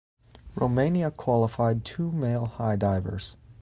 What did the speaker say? Romania qualified two male high divers.